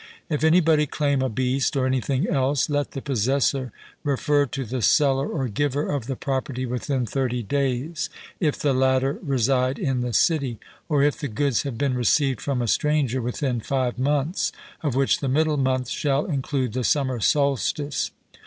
If anybody claim a beast, or anything else, let the possessor refer to the seller or giver of the property within thirty days, if the latter reside in the city, or, if the goods have been received from a stranger, within five months, of which the middle month shall include the summer solstice.